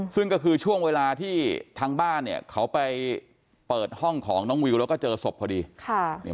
ซึ่งก็คือช่วงเวลาที่ทางบ้านเนี่ยเขาไปเปิดห้องของน้องวิวแล้วก็เจอศพพอดีค่ะ